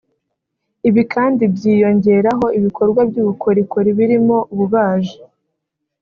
Ibi kandi byiyongeraho ibikorwa by’ubukorikori birimo ububaji